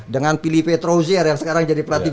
dengan pilih petro zier yang sekarang jadi pelatih